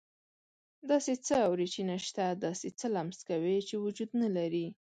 داسې څه اوري چې نه شته، داسې څه لمس کوي چې وجود نه لري.